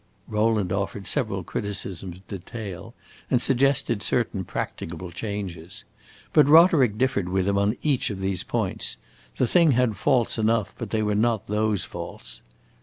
Rowland offered several criticisms of detail, and suggested certain practicable changes. But Roderick differed with him on each of these points; the thing had faults enough, but they were not those faults.